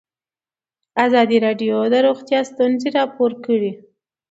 ازادي راډیو د روغتیا ستونزې راپور کړي.